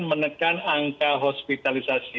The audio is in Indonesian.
menekan angka hospitalisasi